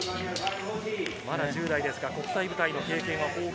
まだ１０代ですが、国際舞台の経験は豊富。